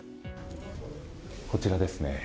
こちらですね